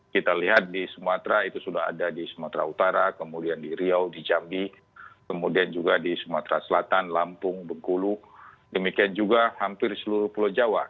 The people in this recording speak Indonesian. kita lihat di sumatera itu sudah ada di sumatera utara kemudian di riau di jambi kemudian juga di sumatera selatan lampung bengkulu demikian juga hampir seluruh pulau jawa